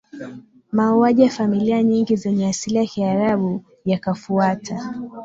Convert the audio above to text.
Mauaji ya familia nyingi zenye asili ya Kiarabu yakafuata